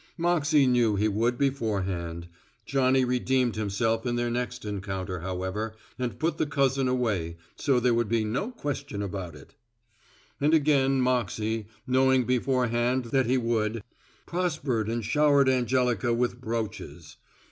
Moxey knew he would beforehand. Johnny redeemed himself in their next encounter, however, and put the cousin away, so there could be no question about it. And again Moxey, knowing beforehand that he would, prospered and showered Angelica with brooches.